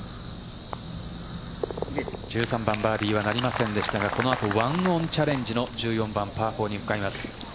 １３番、バーディーとはなりませんでしたがこのあと１オンチャレンジの１４番、パー４に向かいます。